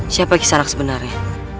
siapa kisanak sebenarnya